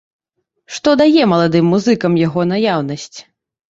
Што дае маладым музыкам яго наяўнасць?